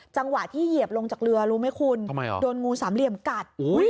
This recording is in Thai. จังหวะที่เหยียบลงจากเรือรู้ไหมคุณทำไมอ่ะโดนงูสำเหลี่ยมกัดโอ้ย